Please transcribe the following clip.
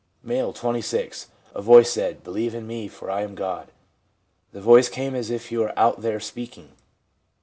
M., 26. ' A voice said, " Believe in Me, for I am God." The voice came as if you were out there speak ing.'